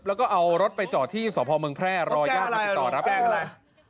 แล้วก็เอารถไปจ่อที่ศพเมืองแพร่รอย่างมาติดต่อ